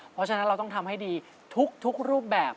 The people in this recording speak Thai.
เพราะฉะนั้นเราต้องทำให้ดีทุกรูปแบบ